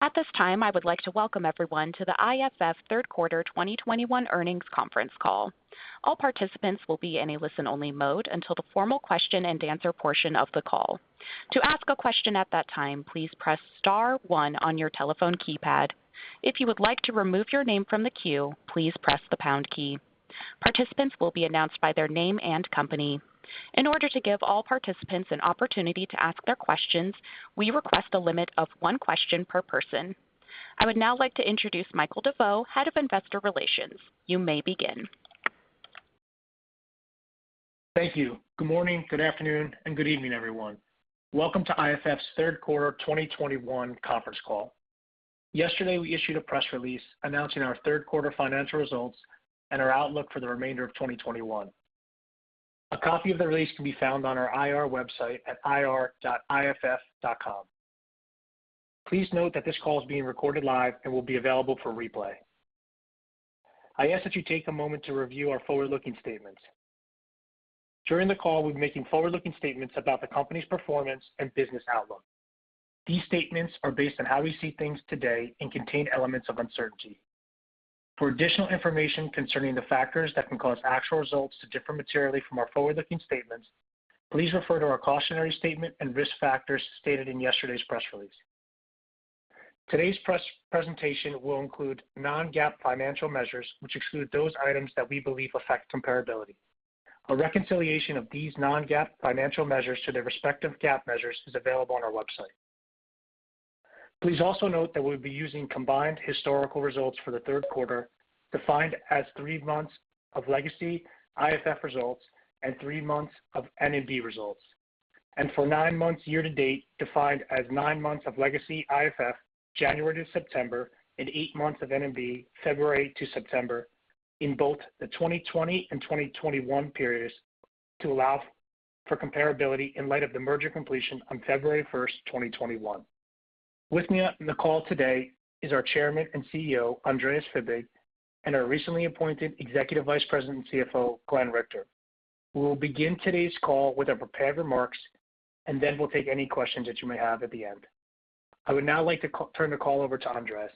At this time, I would like to welcome everyone to the IFF Third Quarter 2021 Earnings Conference Call. All participants will be in a listen-only mode until the formal question-and-answer portion of the call. To ask a question at that time, please press star one on your telephone keypad. If you would like to remove your name from the queue, please press the pound key. Participants will be announced by their name and company. In order to give all participants an opportunity to ask their questions, we request a limit of one question per person. I would now like to introduce Michael DeVeau, Head of Investor Relations. You may begin. Thank you. Good morning, good afternoon, and good evening, everyone. Welcome to IFF's third quarter 2021 conference call. Yesterday, we issued a press release announcing our third quarter financial results and our outlook for the remainder of 2021. A copy of the release can be found on our IR website at ir.iff.com. Please note that this call is being recorded live and will be available for replay. I ask that you take a moment to review our forward-looking statements. During the call, we'll be making forward-looking statements about the company's performance and business outlook. These statements are based on how we see things today and contain elements of uncertainty. For additional information concerning the factors that can cause actual results to differ materially from our forward-looking statements, please refer to our cautionary statement and risk factors stated in yesterday's press release. Today's press presentation will include non-GAAP financial measures which exclude those items that we believe affect comparability. A reconciliation of these non-GAAP financial measures to their respective GAAP measures is available on our website. Please also note that we'll be using combined historical results for the third quarter, defined as three months of legacy IFF results and three months of N&B results. For nine months year-to-date, defined as nine months of legacy IFF, January to September, and eight months of N&B, February to September, in both the 2020 and 2021 periods to allow for comparability in light of the merger completion on February 1, 2021. With me on the call today is our Chairman and CEO, Andreas Fibig, and our recently appointed Executive Vice President and CFO, Glenn Richter. We will begin today's call with our prepared remarks, and then we'll take any questions that you may have at the end. I would now like to turn the call over to Andreas.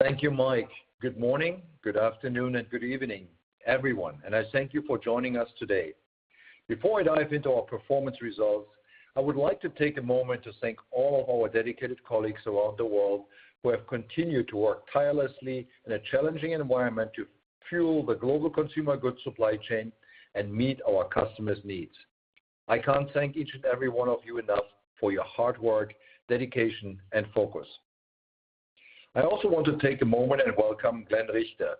Thank you, Michael. Good morning, good afternoon, and good evening, everyone, and I thank you for joining us today. Before I dive into our performance results, I would like to take a moment to thank all of our dedicated colleagues around the world who have continued to work tirelessly in a challenging environment to fuel the global consumer goods supply chain and meet our customers' needs. I can't thank each and every one of you enough for your hard work, dedication, and focus. I also want to take a moment and welcome Glenn Richter,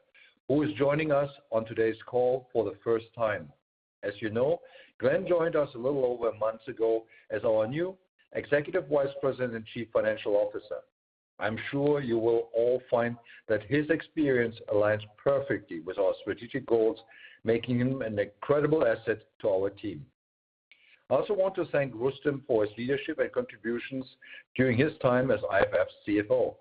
who is joining us on today's call for the first time. As you know, Glenn joined us a little over a month ago as our new Executive Vice President and Chief Financial Officer. I'm sure you will all find that his experience aligns perfectly with our strategic goals, making him an incredible asset to our team. I also want to thank Rustom for his leadership and contributions during his time as IFF's CFO.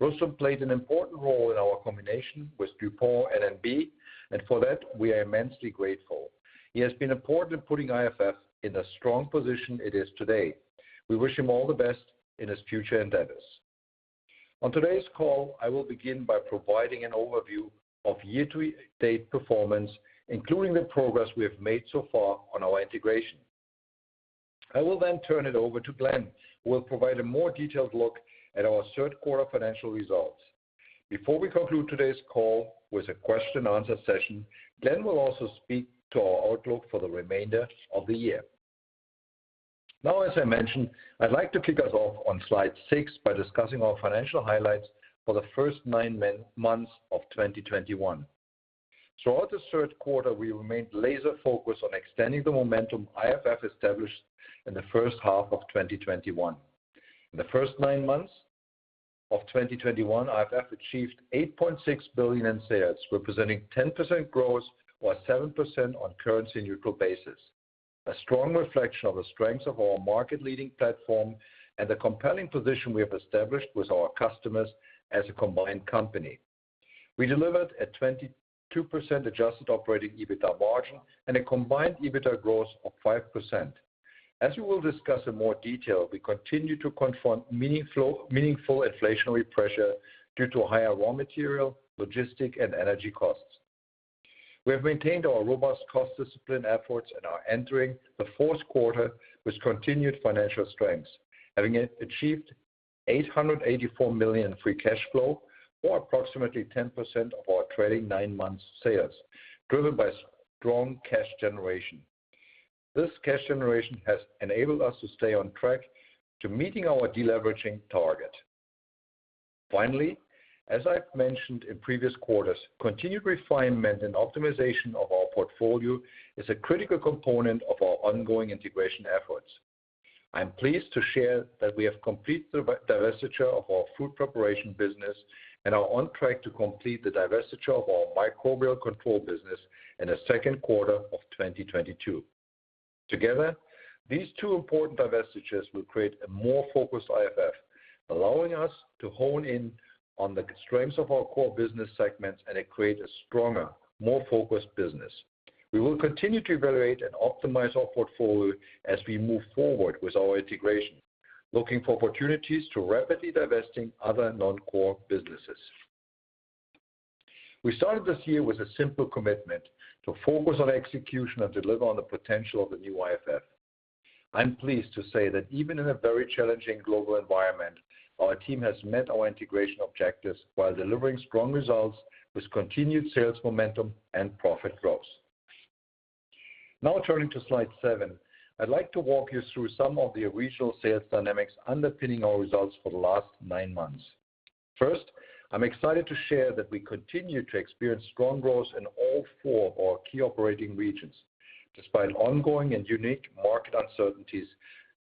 Rustom played an important role in our combination with DuPont N&B, and for that, we are immensely grateful. He has been important in putting IFF in a strong position it is today. We wish him all the best in his future endeavors. On today's call, I will begin by providing an overview of year-to-date performance, including the progress we have made so far on our integration. I will then turn it over to Glenn, who will provide a more detailed look at our third quarter financial results. Before we conclude today's call with a question answer session, Glenn will also speak to our outlook for the remainder of the year. Now, as I mentioned, I'd like to kick us off on slide 6 by discussing our financial highlights for the first nine months of 2021. Throughout the third quarter, we remained laser focused on extending the momentum IFF established in the first half of 2021. In the first nine months of 2021, IFF achieved $8.6 billion in sales, representing 10% growth or 7% on currency-neutral basis. A strong reflection of the strengths of our market-leading platform and the compelling position we have established with our customers as a combined company. We delivered a 22% adjusted operating EBITDA margin and a combined EBITDA growth of 5%. As we will discuss in more detail, we continue to confront meaningful inflationary pressure due to higher raw material, logistics, and energy costs. We have maintained our robust cost discipline efforts and are entering the fourth quarter with continued financial strengths, having achieved $884 million free cash flow, or approximately 10% of our trailing nine-month sales, driven by strong cash generation. This cash generation has enabled us to stay on track to meeting our deleveraging target. Finally, as I've mentioned in previous quarters, continued refinement and optimization of our portfolio is a critical component of our ongoing integration efforts. I am pleased to share that we have completed the divestiture of our food preparation business and are on track to complete the divestiture of our Microbial Control business in the second quarter of 2022. Together, these two important divestitures will create a more focused IFF. Allowing us to hone in on the strengths of our core business segments and then create a stronger, more focused business. We will continue to evaluate and optimize our portfolio as we move forward with our integration, looking for opportunities to rapidly divesting other non-core businesses. We started this year with a simple commitment to focus on execution and deliver on the potential of the new IFF. I'm pleased to say that even in a very challenging global environment, our team has met our integration objectives while delivering strong results with continued sales momentum and profit growth. Now turning to slide seven, I'd like to walk you through some of the regional sales dynamics underpinning our results for the last nine months. First, I'm excited to share that we continue to experience strong growth in all four of our key operating regions, despite ongoing and unique market uncertainties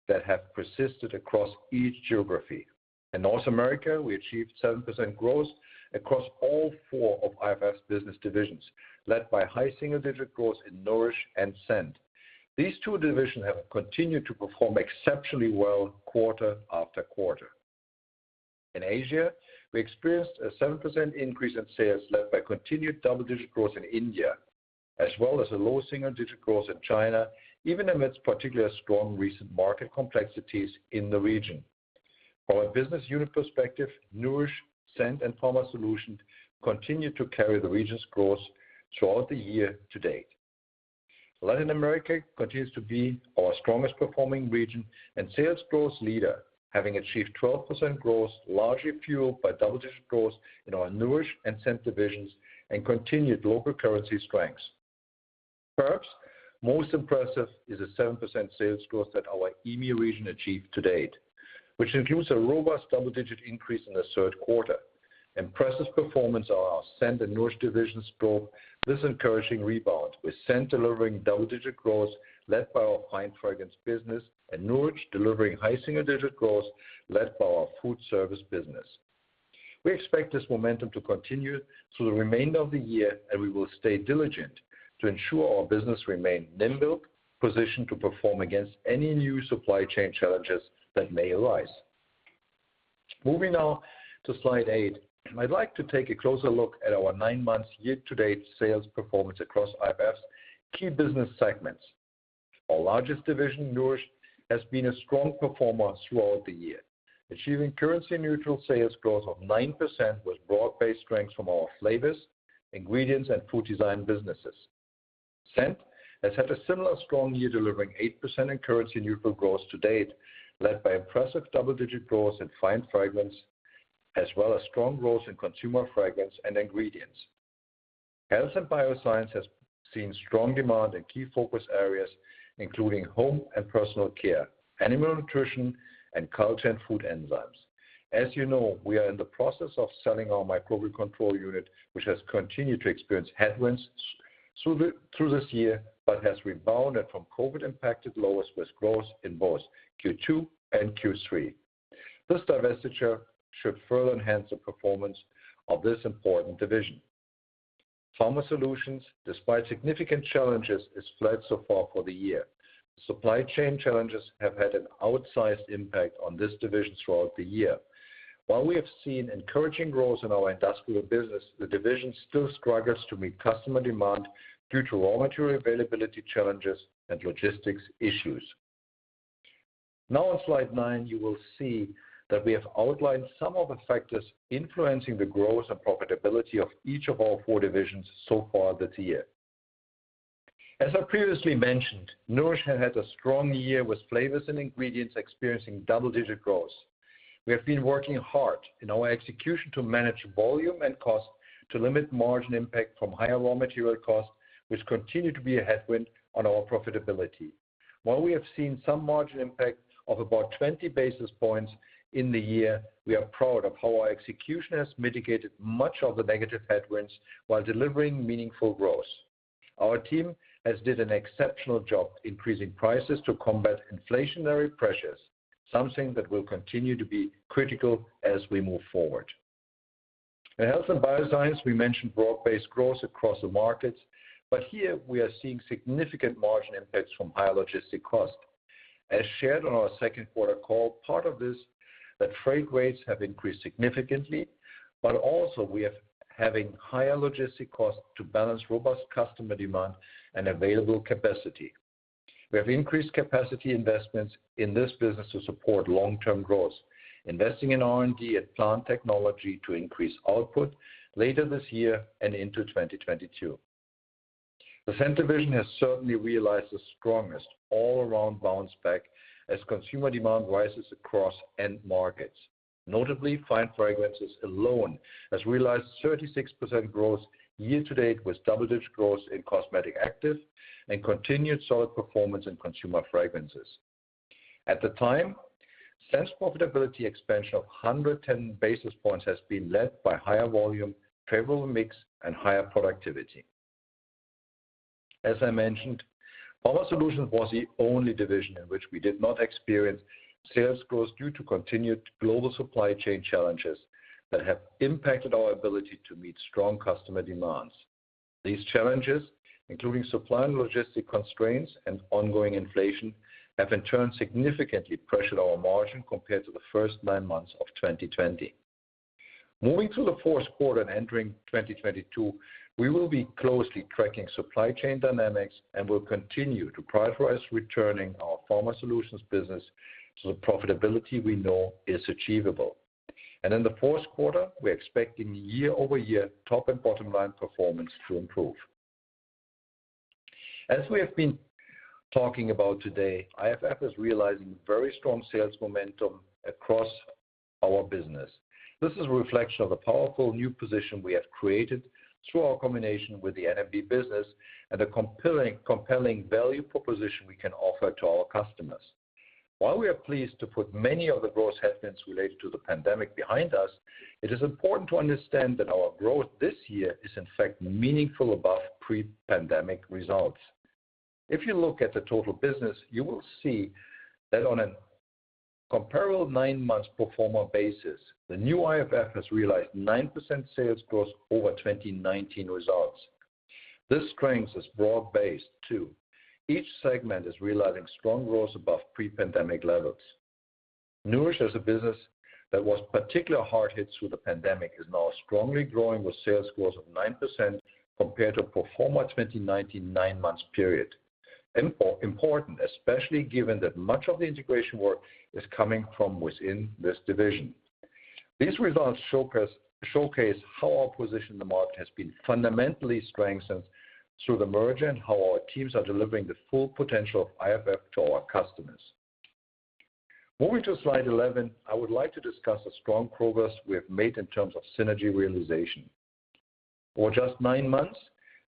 that have persisted across each geography. In North America, we achieved 7% growth across all four of IFF's business divisions, led by high single-digit growth in Nourish and Scent. These two divisions have continued to perform exceptionally well quarter after quarter. In Asia, we experienced a 7% increase in sales, led by continued double-digit growth in India, as well as a low single-digit growth in China, even amidst particularly strong recent market complexities in the region. Our business unit perspective, Nourish, Scent, and Pharma Solutions continue to carry the region's growth throughout the year to date. Latin America continues to be our strongest performing region and sales growth leader, having achieved 12% growth, largely fueled by double-digit growth in our Nourish and Scent divisions and continued local currency strengths. Perhaps most impressive is the 7% sales growth that our EMEA region achieved to date, which includes a robust double-digit increase in the third quarter. Impressive performance of our Scent and Nourish divisions drove this encouraging rebound, with Scent delivering double-digit growth led by our Fine Fragrance business, and Nourish delivering high single-digit growth led by our food service business. We expect this momentum to continue through the remainder of the year, and we will stay diligent to ensure our business remain nimble, positioned to perform against any new supply chain challenges that may arise. Moving now to slide eight, I'd like to take a closer look at our nine months year-to-date sales performance across IFF's key business segments. Our largest division, Nourish, has been a strong performer throughout the year, achieving currency neutral sales growth of 9% with broad-based strengths from our flavors, ingredients, and Food Design businesses. Scent has had a similar strong year, delivering 8% in currency neutral growth to date, led by impressive double-digit growth in Fine Fragrance, as well as strong growth in Consumer Fragrances and ingredients. Health & Biosciences has seen strong demand in key focus areas, including home and personal care, animal nutrition and culture and food enzymes. As you know, we are in the process of selling our Microbial Control unit, which has continued to experience headwinds through this year, but has rebounded from COVID impacted lows with growth in both Q2 and Q3. This divestiture should further enhance the performance of this important division. Pharma Solutions, despite significant challenges, has fared so far this year. Supply chain challenges have had an outsized impact on this division throughout the year. While we have seen encouraging growth in our industrial business, the division still struggles to meet customer demand due to raw material availability challenges and logistics issues. Now on slide nine, you will see that we have outlined some of the factors influencing the growth and profitability of each of our four divisions so far this year. As I previously mentioned, Nourish has had a strong year with flavors and ingredients experiencing double-digit growth. We have been working hard in our execution to manage volume and cost to limit margin impact from higher raw material costs, which continue to be a headwind on our profitability. While we have seen some margin impact of about 20 basis points in the year, we are proud of how our execution has mitigated much of the negative headwinds while delivering meaningful growth. Our team has done an exceptional job increasing prices to combat inflationary pressures, something that will continue to be critical as we move forward. In Health & Biosciences, we mentioned broad-based growth across the markets, but here we are seeing significant margin impacts from higher logistics costs. As shared on our second quarter call, part of this is that freight rates have increased significantly, but also we are having higher logistics costs to balance robust customer demand and available capacity. We have increased capacity investments in this business to support long-term growth, investing in R&D and plant technology to increase output later this year and into 2022. The Scent division has certainly realized the strongest all-around bounce back as consumer demand rises across end markets. Notably, Fine Fragrances alone has realized 36% growth year to date, with double-digit growth in Cosmetic Actives and continued solid performance in Consumer Fragrances. At the time, Scent's profitability expansion of 110 basis points has been led by higher volume, favorable mix, and higher productivity. As I mentioned, Pharma Solutions was the only division in which we did not experience sales growth due to continued global supply chain challenges that have impacted our ability to meet strong customer demands. These challenges, including supply and logistic constraints and ongoing inflation, have in turn significantly pressured our margin compared to the first nine months of 2020. Moving to the fourth quarter and entering 2022, we will be closely tracking supply chain dynamics and will continue to prioritize returning our Pharma Solutions business to the profitability we know is achievable. In the fourth quarter, we're expecting year-over-year top and bottom line performance to improve. As we have been talking about today, IFF is realizing very strong sales momentum across our business. This is a reflection of the powerful new position we have created through our combination with the N&B business and a compelling value proposition we can offer to our customers. While we are pleased to put many of the growth headwinds related to the pandemic behind us, it is important to understand that our growth this year is in fact meaningful above pre-pandemic results. If you look at the total business, you will see that on a comparable nine-month pro forma basis, the new IFF has realized 9% sales growth over 2019 results. This strength is broad-based too. Each segment is realizing strong growth above pre-pandemic levels. Nourish as a business that was particularly hard hit through the pandemic is now strongly growing with sales growth of 9% compared to pro forma 2019 nine-month period. Important, especially given that much of the integration work is coming from within this division. These results showcase how our position in the market has been fundamentally strengthened through the merger and how our teams are delivering the full potential of IFF to our customers. Moving to slide 11, I would like to discuss the strong progress we have made in terms of synergy realization. For just nine months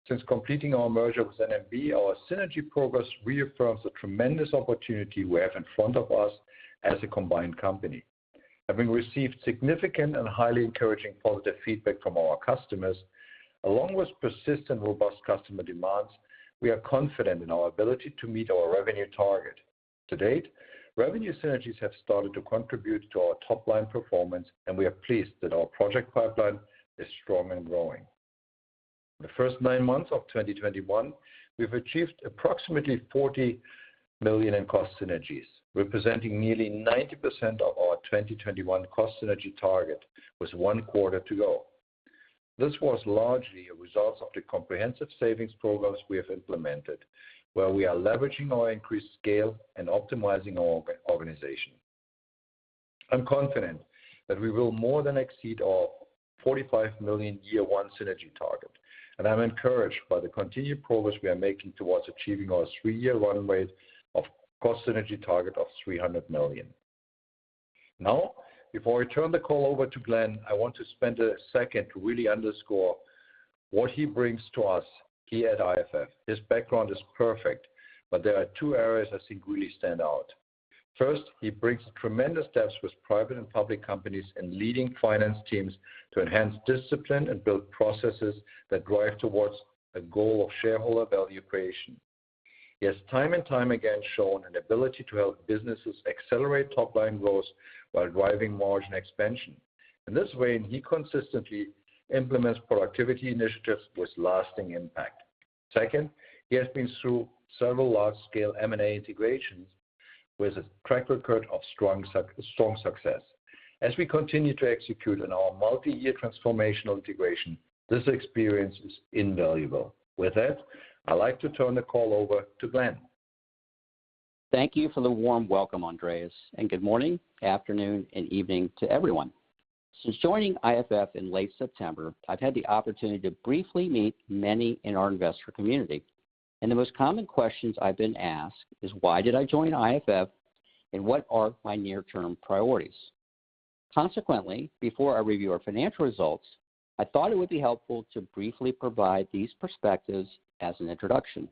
since completing our merger with N&B, our synergy progress reaffirms the tremendous opportunity we have in front of us as a combined company. Having received significant and highly encouraging positive feedback from our customers, along with persistent robust customer demands, we are confident in our ability to meet our revenue target. To date, revenue synergies have started to contribute to our top line performance, and we are pleased that our project pipeline is strong and growing. In the first nine months of 2021, we've achieved approximately $40 million in cost synergies, representing nearly 90% of our 2021 cost synergy target with one quarter to go. This was largely a result of the comprehensive savings programs we have implemented, where we are leveraging our increased scale and optimizing our organization. I'm confident that we will more than exceed our $45 million year one synergy target, and I'm encouraged by the continued progress we are making towards achieving our three-year run rate of cost synergy target of $300 million. Now, before I turn the call over to Glenn, I want to spend a second to really underscore what he brings to us here at IFF. His background is perfect, but there are two areas I think really stand out. First, he brings tremendous depths with private and public companies and leading finance teams to enhance discipline and build processes that drive towards the goal of shareholder value creation. He has time and time again shown an ability to help businesses accelerate top line growth while driving margin expansion. In this way, he consistently implements productivity initiatives with lasting impact. Second, he has been through several large-scale M&A integrations with a track record of strong success. As we continue to execute on our multi-year transformational integration, this experience is invaluable. With that, I'd like to turn the call over to Glenn. Thank you for the warm welcome, Andreas, and good morning, afternoon, and evening to everyone. Since joining IFF in late September, I've had the opportunity to briefly meet many in our investor community, and the most common questions I've been asked is why did I join IFF and what are my near-term priorities. Consequently, before I review our financial results, I thought it would be helpful to briefly provide these perspectives as an introduction.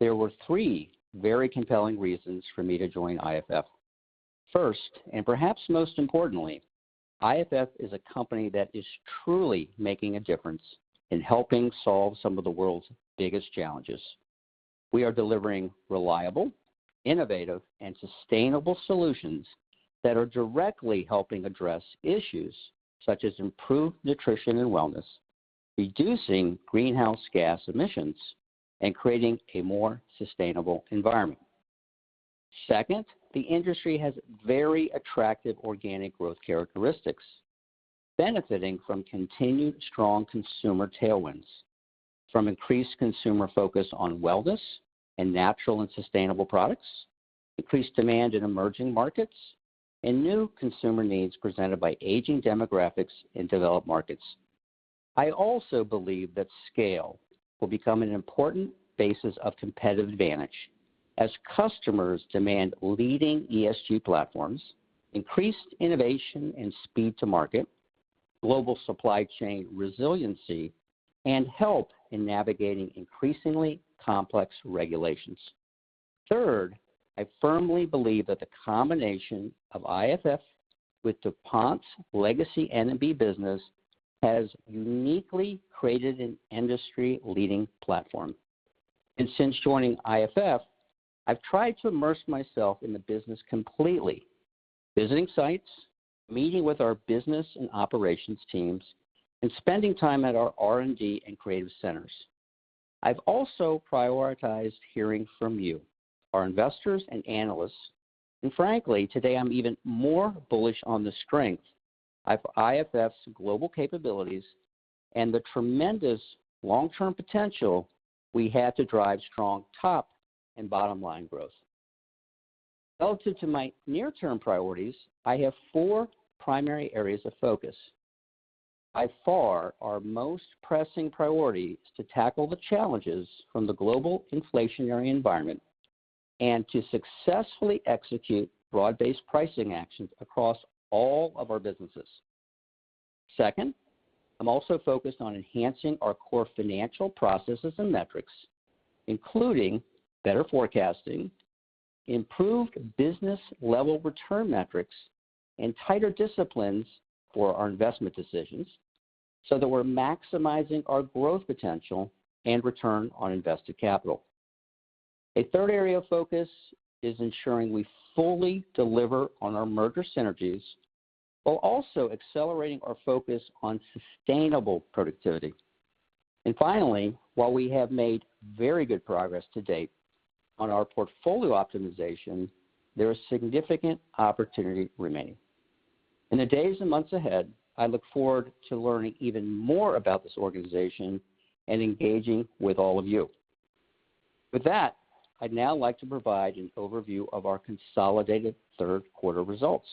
There were three very compelling reasons for me to join IFF. First, and perhaps most importantly, IFF is a company that is truly making a difference in helping solve some of the world's biggest challenges. We are delivering reliable, innovative, and sustainable solutions that are directly helping address issues such as improved nutrition and wellness, reducing greenhouse gas emissions, and creating a more sustainable environment. Second, the industry has very attractive organic growth characteristics, benefiting from continued strong consumer tailwinds, from increased consumer focus on wellness and natural and sustainable products, increased demand in emerging markets, and new consumer needs presented by aging demographics in developed markets. I also believe that scale will become an important basis of competitive advantage as customers demand leading ESG platforms, increased innovation and speed to market, global supply chain resiliency, and help in navigating increasingly complex regulations. Third, I firmly believe that the combination of IFF with DuPont's legacy N&B business has uniquely created an industry-leading platform. Since joining IFF, I've tried to immerse myself in the business completely, visiting sites, meeting with our business and operations teams, and spending time at our R&D and creative centers. I've also prioritized hearing from you, our investors and analysts. Frankly, today I'm even more bullish on the strength of IFF's global capabilities and the tremendous long-term potential we have to drive strong top and bottom line growth. Relative to my near-term priorities, I have four primary areas of focus. By far our most pressing priority is to tackle the challenges from the global inflationary environment and to successfully execute broad-based pricing actions across all of our businesses. Second, I'm also focused on enhancing our core financial processes and metrics, including better forecasting, improved business-level return metrics, and tighter disciplines for our investment decisions so that we're maximizing our growth potential and return on invested capital. A third area of focus is ensuring we fully deliver on our merger synergies while also accelerating our focus on sustainable productivity. Finally, while we have made very good progress to date on our portfolio optimization, there is significant opportunity remaining. In the days and months ahead, I look forward to learning even more about this organization and engaging with all of you. With that, I'd now like to provide an overview of our consolidated third quarter results.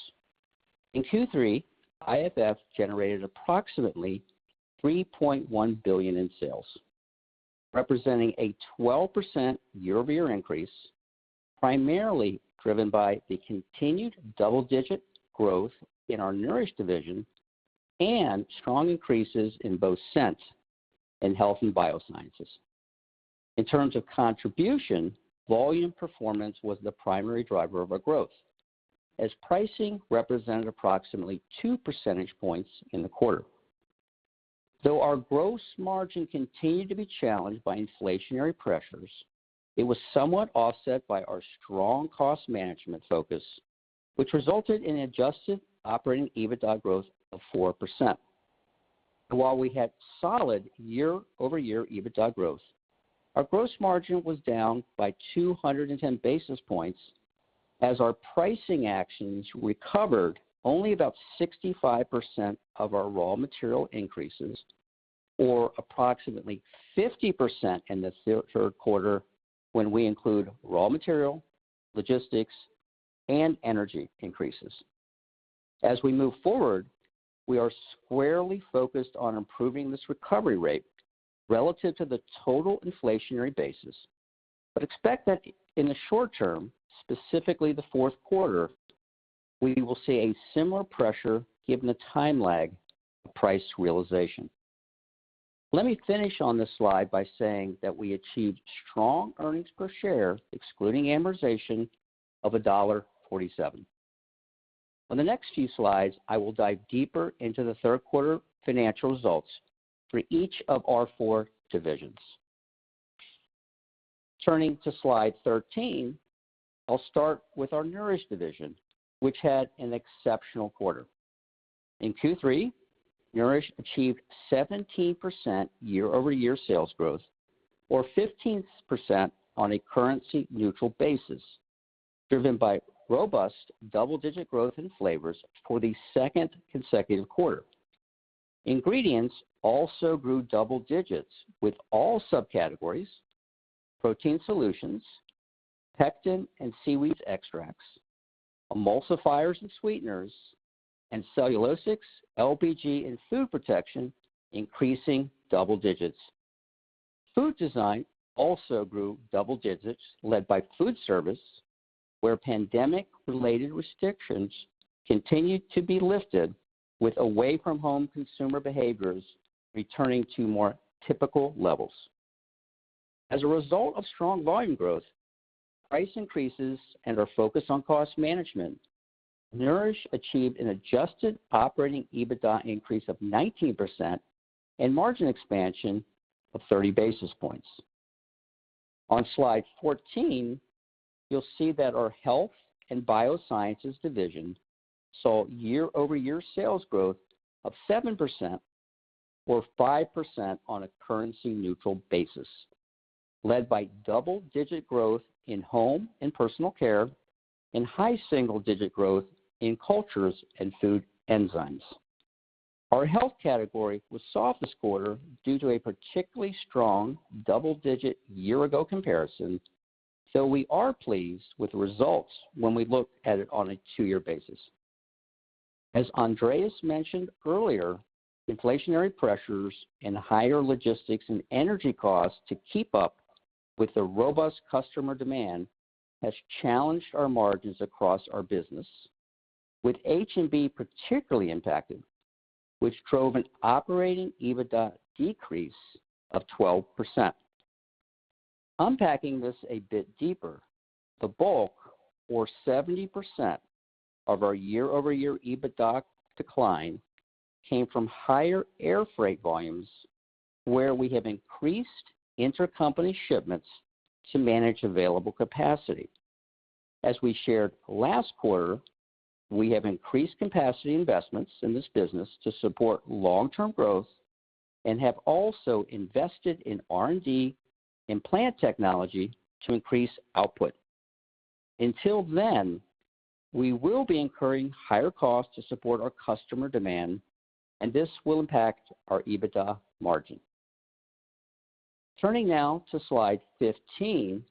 In Q3, IFF generated approximately $3.1 billion in sales, representing a 12% year-over-year increase, primarily driven by the continued double-digit growth in our Nourish division and strong increases in both Scent and Health & Biosciences. In terms of contribution, volume performance was the primary driver of our growth, as pricing represented approximately two percentage points in the quarter. Though our gross margin continued to be challenged by inflationary pressures, it was somewhat offset by our strong cost management focus, which resulted in adjusted operating EBITDA growth of 4%. While we had solid year-over-year EBITDA growth, our gross margin was down by 210 basis points as our pricing actions recovered only about 65% of our raw material increases, or approximately 50% in the third quarter when we include raw material, logistics, and energy increases. As we move forward, we are squarely focused on improving this recovery rate relative to the total inflationary basis, but expect that in the short term, specifically the fourth quarter, we will see a similar pressure given the time lag of price realization. Let me finish on this slide by saying that we achieved strong earnings per share, excluding amortization of $1.47. On the next few slides, I will dive deeper into the third quarter financial results for each of our four divisions. Turning to slide 13, I'll start with our Nourish division, which had an exceptional quarter. In Q3, Nourish achieved 17% year-over-year sales growth or 15% on a currency neutral basis, driven by robust double-digit growth in flavors for the second consecutive quarter. Ingredients also grew double digits with all subcategories: protein solutions, pectin and seaweed extracts, emulsifiers and sweeteners, and cellulosics, LBG and food protection increasing double digits. Food design also grew double digits led by food service, where pandemic-related restrictions continued to be lifted with away-from-home consumer behaviors returning to more typical levels. As a result of strong volume growth, price increases, and our focus on cost management, Nourish achieved an adjusted operating EBITDA increase of 19% and margin expansion of 30 basis points. On slide 14, you'll see that our Health & Biosciences division saw year-over-year sales growth of 7% or 5% on a currency neutral basis, led by double-digit growth in home and personal care and high single-digit growth in cultures and food enzymes. Our health category was soft this quarter due to a particularly strong double-digit year ago comparison, though we are pleased with the results when we look at it on a two-year basis. As Andreas mentioned earlier, inflationary pressures and higher logistics and energy costs to keep up with the robust customer demand has challenged our margins across our business, with H&B particularly impacted, which drove an operating EBITDA decrease of 12%. Unpacking this a bit deeper, the bulk or 70% of our year-over-year EBITDA decline came from higher air freight volumes where we have increased intercompany shipments to manage available capacity. As we shared last quarter, we have increased capacity investments in this business to support long-term growth and have also invested in R&D and plant technology to increase output. Until then, we will be incurring higher costs to support our customer demand, and this will impact our EBITDA margin. Turning now to Slide 15,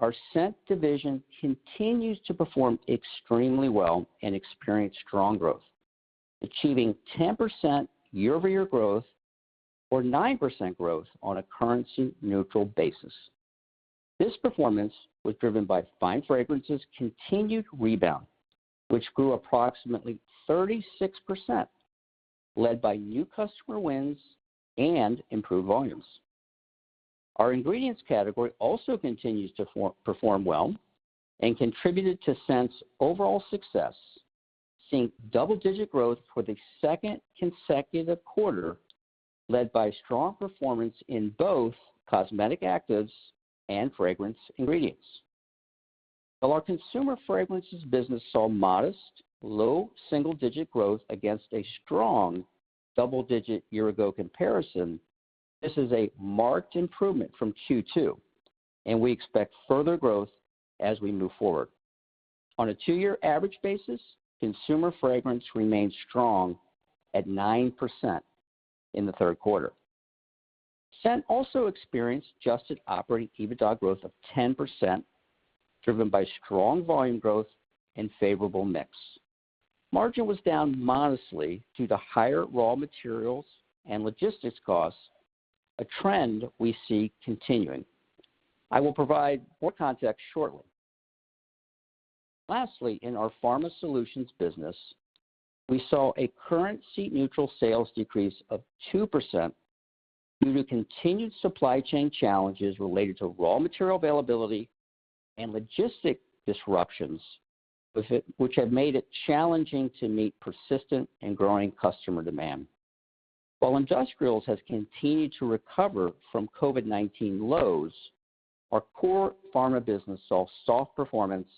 our Scent division continues to perform extremely well and experience strong growth, achieving 10% year-over-year growth or 9% growth on a currency-neutral basis. This performance was driven by Fine Fragrances' continued rebound, which grew approximately 36%, led by new customer wins and improved volumes. Our Ingredients category also continues to outperform well and contributed to Scent's overall success, seeing double-digit growth for the second consecutive quarter, led by strong performance in both Cosmetic Actives and Fragrance Ingredients. While our Consumer Fragrances business saw modest low single-digit growth against a strong double-digit year-ago comparison, this is a marked improvement from Q2, and we expect further growth as we move forward. On a two-year average basis, Consumer Fragrances remains strong at 9% in the third quarter. Scent also experienced adjusted operating EBITDA growth of 10%, driven by strong volume growth and favorable mix. Margin was down modestly due to higher raw materials and logistics costs, a trend we see continuing. I will provide more context shortly. Lastly, in our Pharma Solutions business, we saw a currency neutral sales decrease of 2% due to continued supply chain challenges related to raw material availability and logistic disruptions with it, which have made it challenging to meet persistent and growing customer demand. While Industrials has continued to recover from COVID-19 lows, our core pharma business saw soft performance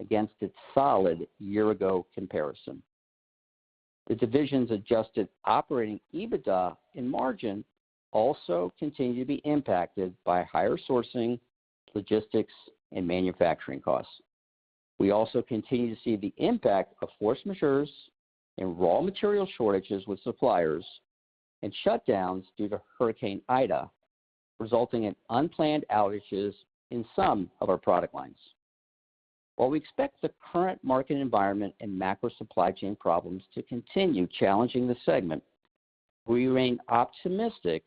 against its solid year-ago comparison. The division's adjusted operating EBITDA and margin also continue to be impacted by higher sourcing, logistics, and manufacturing costs. We also continue to see the impact of force majeure and raw material shortages with suppliers and shutdowns due to Hurricane Ida, resulting in unplanned outages in some of our product lines. While we expect the current market environment and macro supply chain problems to continue challenging the segment, we remain optimistic,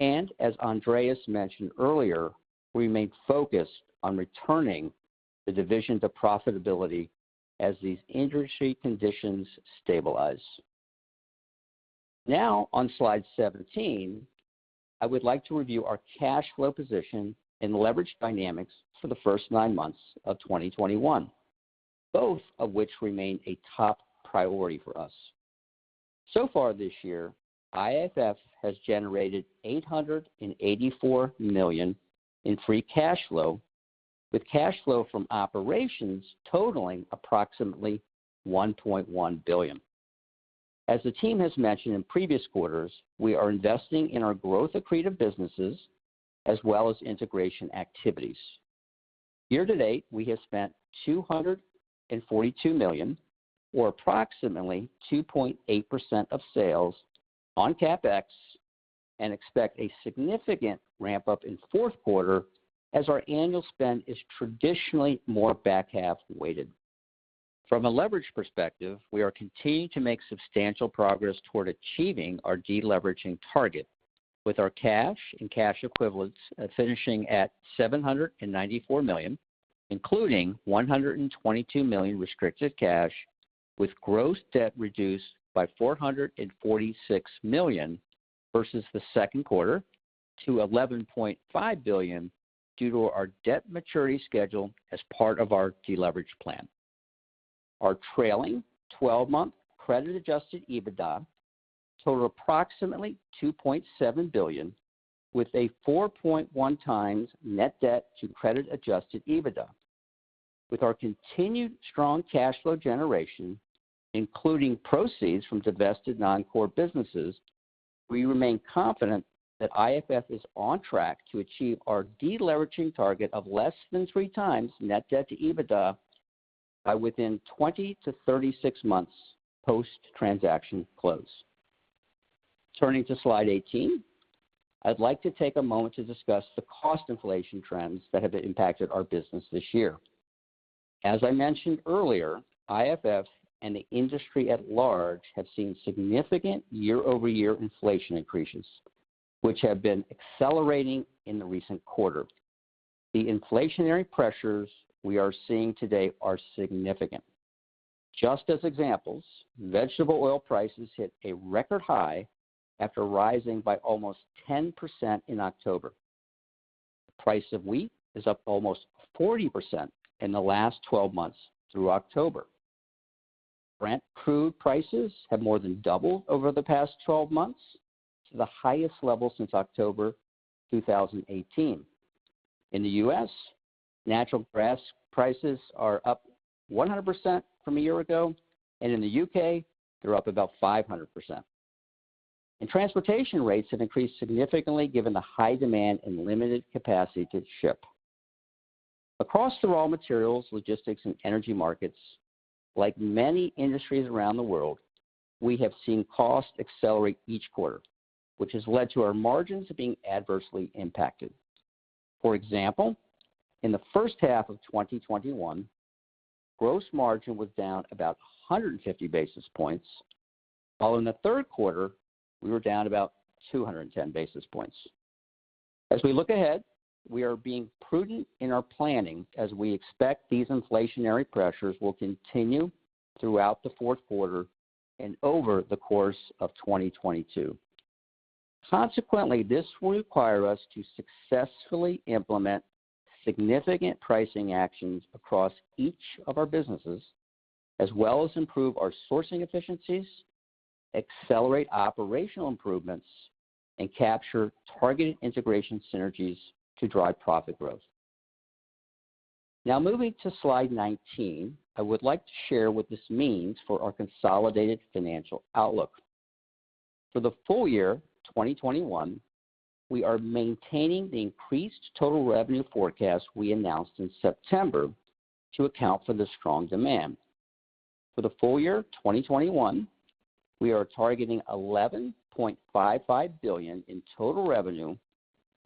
and as Andreas mentioned earlier, remain focused on returning the division to profitability as these industry conditions stabilize. Now on Slide 17, I would like to review our cash flow position and leverage dynamics for the first nine months of 2021, both of which remain a top priority for us. So far this year, IFF has generated $884 million in free cash flow, with cash flow from operations totaling approximately $1.1 billion. As the team has mentioned in previous quarters, we are investing in our growth accretive businesses as well as integration activities. Year to date, we have spent $242 million or approximately 2.8% of sales on CapEx and expect a significant ramp-up in fourth quarter as our annual spend is traditionally more back-half weighted. From a leverage perspective, we are continuing to make substantial progress toward achieving our deleveraging target with our cash and cash equivalents finishing at $794 million, including $122 million restricted cash, with gross debt reduced by $446 million versus the second quarter to $11.5 billion due to our debt maturity schedule as part of our deleverage plan. Our trailing 12-month credit-adjusted EBITDA total approximately $2.7 billion with a 4.1x net debt to credit-adjusted EBITDA. With our continued strong cash flow generation, including proceeds from divested non-core businesses, we remain confident that IFF is on track to achieve our deleveraging target of less than 3 x net debt to EBITDA by within 20-36 months post-transaction close. Turning to Slide 18, I'd like to take a moment to discuss the cost inflation trends that have impacted our business this year. As I mentioned earlier, IFF and the industry at large have seen significant year-over-year inflation increases, which have been accelerating in the recent quarter. The inflationary pressures we are seeing today are significant. Just as examples, vegetable oil prices hit a record high after rising by almost 10% in October. The price of wheat is up almost 40% in the last 12 months through October. Brent crude prices have more than doubled over the past 12 months to the highest level since October 2018. In the U.S., natural gas prices are up 100% from a year ago, and in the U.K., they're up about 500%. Transportation rates have increased significantly given the high demand and limited capacity to ship. Across the raw materials, logistics, and energy markets, like many industries around the world, we have seen costs accelerate each quarter, which has led to our margins being adversely impacted. For example, in the first half of 2021, gross margin was down about 150 basis points, while in the third quarter we were down about 210 basis points. As we look ahead, we are being prudent in our planning as we expect these inflationary pressures will continue throughout the fourth quarter and over the course of 2022. Consequently, this will require us to successfully implement significant pricing actions across each of our businesses, as well as improve our sourcing efficiencies, accelerate operational improvements, and capture targeted integration synergies to drive profit growth. Now moving to slide 19, I would like to share what this means for our consolidated financial outlook. For the full year 2021, we are maintaining the increased total revenue forecast we announced in September to account for the strong demand. For the full year 2021, we are targeting $11.55 billion in total revenue,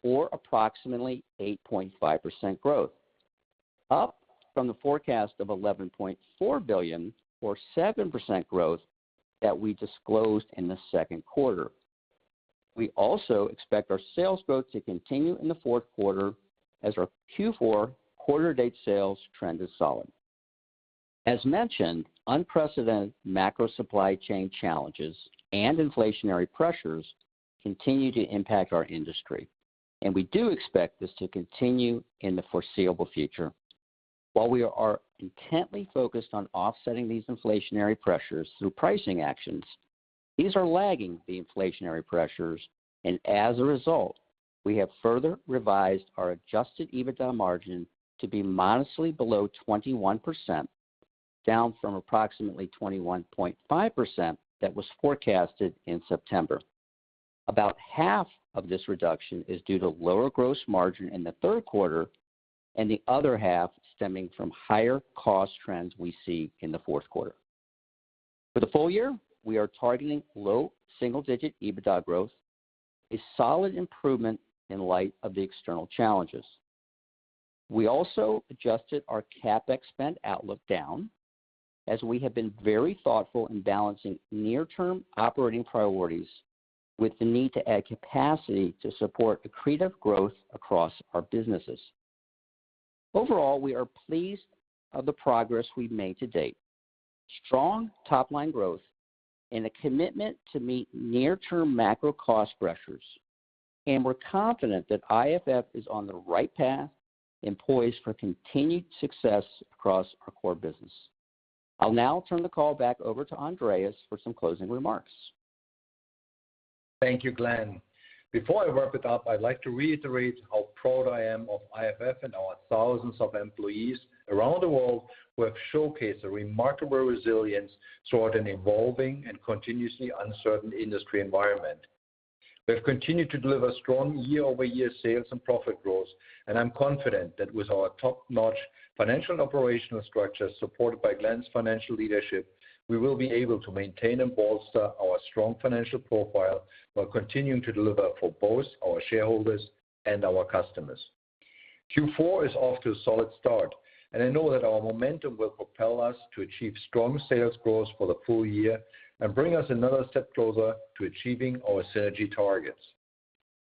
or approximately 8.5% growth, up from the forecast of $11.4 billion or 7% growth that we disclosed in the second quarter. We also expect our sales growth to continue in the fourth quarter as our Q4 quarter-to-date sales trend is solid. As mentioned, unprecedented macro supply chain challenges and inflationary pressures continue to impact our industry, and we do expect this to continue in the foreseeable future. While we are intently focused on offsetting these inflationary pressures through pricing actions, these are lagging the inflationary pressures, and as a result, we have further revised our Adjusted EBITDA margin to be modestly below 21%, down from approximately 21.5% that was forecasted in September. About half of this reduction is due to lower gross margin in the third quarter and the other half stemming from higher cost trends we see in the fourth quarter. For the full year, we are targeting low single-digit EBITDA growth, a solid improvement in light of the external challenges. We also adjusted our CapEx spend outlook down as we have been very thoughtful in balancing near-term operating priorities with the need to add capacity to support accretive growth across our businesses. Overall, we are pleased of the progress we've made to date. Strong top-line growth and a commitment to meet near-term macro cost pressures, and we're confident that IFF is on the right path and poised for continued success across our core business. I'll now turn the call back over to Andreas for some closing remarks. Thank you, Glenn. Before I wrap it up, I'd like to reiterate how proud I am of IFF and our thousands of employees around the world who have showcased a remarkable resilience throughout an evolving and continuously uncertain industry environment. We have continued to deliver strong year-over-year sales and profit growth, and I'm confident that with our top-notch financial and operational structure supported by Glenn's financial leadership, we will be able to maintain and bolster our strong financial profile while continuing to deliver for both our shareholders and our customers. Q4 is off to a solid start, and I know that our momentum will propel us to achieve strong sales growth for the full year and bring us another step closer to achieving our synergy targets.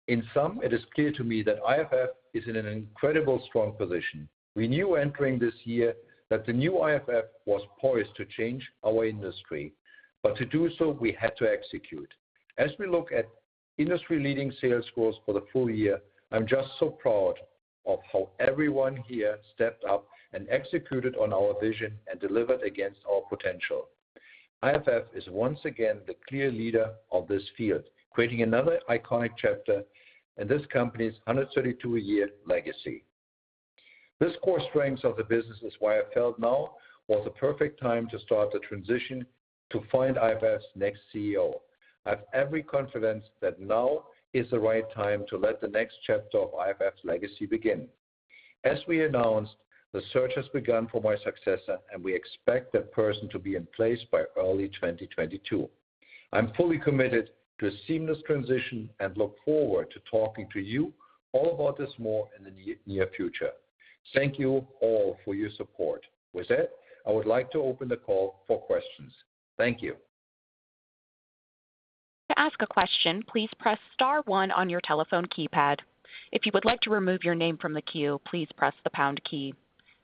In sum, it is clear to me that IFF is in an incredibly strong position. We knew entering this year that the new IFF was poised to change our industry. To do so, we had to execute. As we look at industry-leading sales growth for the full year, I'm just so proud of how everyone here stepped up and executed on our vision and delivered against our potential. IFF is once again the clear leader of this field, creating another iconic chapter in this company's 132-year legacy. This core strength of the business is why I felt now was the perfect time to start the transition to find IFF's next CEO. I have every confidence that now is the right time to let the next chapter of IFF's legacy begin. As we announced, the search has begun for my successor, and we expect that person to be in place by early 2022. I'm fully committed to a seamless transition and look forward to talking to you all about this more in the near future. Thank you all for your support. With that, I would like to open the call for questions. Thank you. To ask a question, please press star one on your telephone keypad. If you would like to remove your name from the queue, please press the pound key.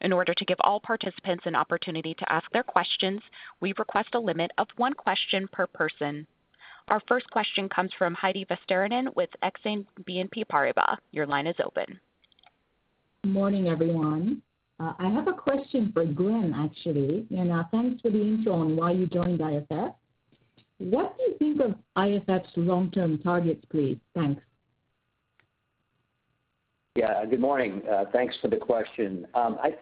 In order to give all participants an opportunity to ask their questions, we will press the limit of one question per person. Our first question comes from Heidi Vesterinen with Exane BNP Paribas. Your line is open. Morning, everyone. I have a question for Glenn, actually. Thanks for the intro on why you joined IFF. What do you think of IFF's long-term targets, please? Thanks. Yeah, good morning. Thanks for the question.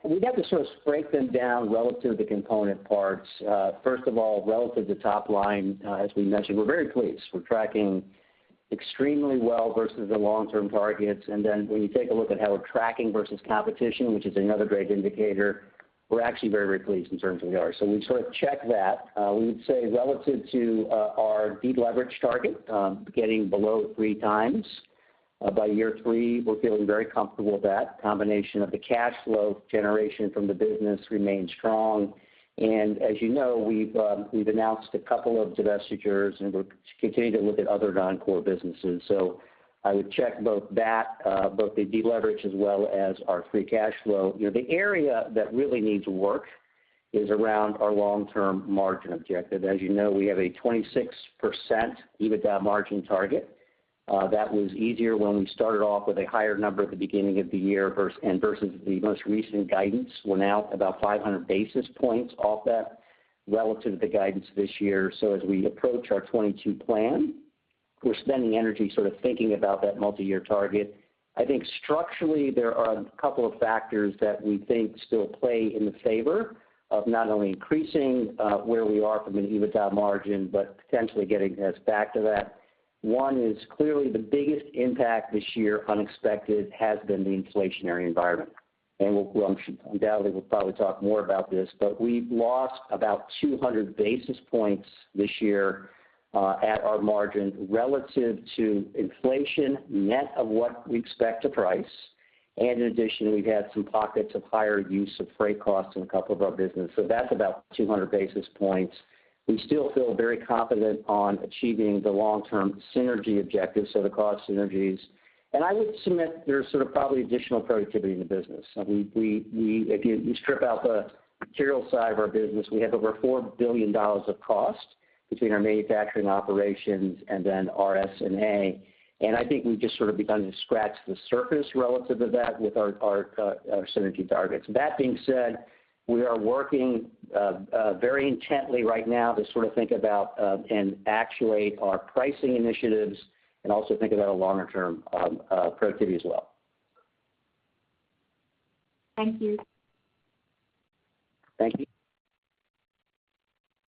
We'd have to sort of break them down relative to component parts. First of all, relative to top line, as we mentioned, we're very pleased. We're tracking extremely well versus the long-term targets. When you take a look at how we're tracking versus competition, which is another great indicator, we're actually very, very pleased in terms of where we are. We sort of check that. We would say relative to our deleverage target, getting below three times by year three, we're feeling very comfortable with that. The combination of the cash flow generation from the business remains strong. As you know, we've announced a couple of divestitures, and we're continuing to look at other non-core businesses. I would check both the deleverage as well as our free cash flow. You know, the area that really needs work is around our long-term margin objective. As you know, we have a 26% EBITDA margin target. That was easier when we started off with a higher number at the beginning of the year versus the most recent guidance. We're now about 500 basis points off that relative to the guidance this year. As we approach our 2022 plan, we're spending energy sort of thinking about that multiyear target. I think structurally, there are a couple of factors that we think still play in the favor of not only increasing where we are from an EBITDA margin, but potentially getting us back to that. One is clearly the biggest impact this year, unexpected, has been the inflationary environment. We'll undoubtedly probably talk more about this, but we've lost about 200 basis points this year at our margin relative to inflation net of what we expect to price. In addition, we've had some pockets of higher use of freight costs in a couple of our business. So that's about 200 basis points. We still feel very confident on achieving the long-term synergy objectives, so the cost synergies. I would submit there's sort of probably additional productivity in the business. I mean, if you strip out the material side of our business, we have over $4 billion of cost between our manufacturing operations and then SG&A. I think we've just sort of begun to scratch the surface relative to that with our synergy targets. That being said, we are working very intently right now to sort of think about and actuate our pricing initiatives and also think about a longer-term productivity as well. Thank you. Thank you.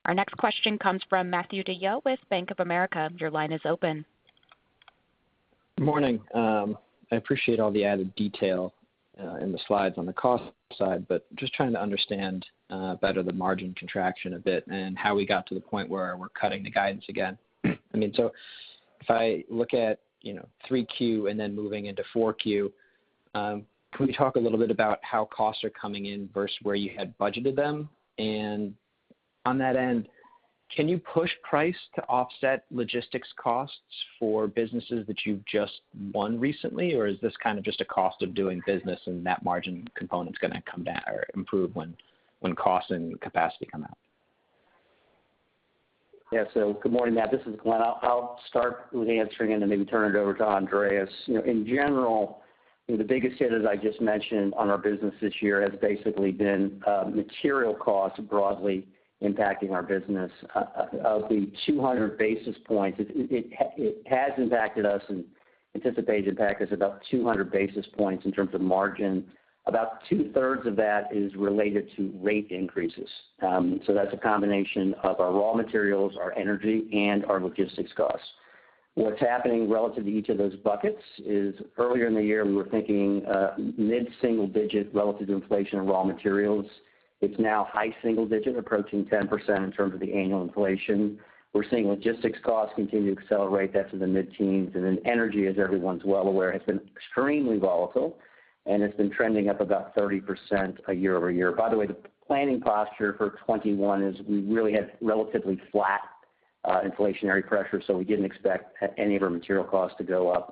Our next question comes from Matthew DeYoe with Bank of America. Your line is open. Morning. I appreciate all the added detail in the slides on the cost side, but just trying to understand better the margin contraction a bit and how we got to the point where we're cutting the guidance again. I mean, if I look at, you know, Q3 and then moving into Q4, can we talk a little bit about how costs are coming in versus where you had budgeted them? On that end, can you push price to offset logistics costs for businesses that you've just won recently? Is this kind of just a cost of doing business and that margin component's gonna come down or improve when costs and capacity come out? Yeah. Good morning, Matthew. This is Glenn. I'll start with answering and then maybe turn it over to Andreas. You know, in general, the biggest hit, as I just mentioned, on our business this year has basically been material costs broadly impacting our business. Of the 200 basis points, it has impacted us and anticipates impact is about 200 basis points in terms of margin. About 2/3 of that is related to rate increases. That's a combination of our raw materials, our energy, and our logistics costs. What's happening relative to each of those buckets is earlier in the year, we were thinking mid-single digit relative to inflation in raw materials. It's now high single digit, approaching 10% in terms of the annual inflation. We're seeing logistics costs continue to accelerate. That's in the mid-teens. Energy, as everyone's well aware, has been extremely volatile, and it's been trending up about 30% year-over-year. By the way, the planning posture for 2021 is we really have relatively flat inflationary pressure, so we didn't expect any of our material costs to go up.